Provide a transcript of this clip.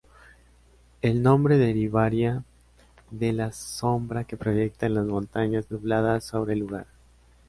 El nombre derivaría de la sombra que proyectan las Montañas Nubladas sobre el lugar.